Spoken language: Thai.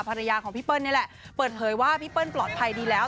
ภรรยาของพี่เปิ้ลนี่แหละเปิดเผยว่าพี่เปิ้ลปลอดภัยดีแล้ว